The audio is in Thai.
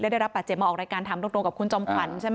ได้รับบาดเจ็บมาออกรายการถามตรงกับคุณจอมขวัญใช่ไหม